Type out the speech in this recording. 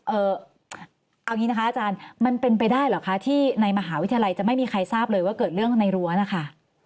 เอาอย่างนี้นะคะอาจารย์มันเป็นไปได้เหรอคะที่ในมหาวิทยาลัยจะไม่มีใครทราบเลยว่าเกิดเรื่องในรั้วนะคะ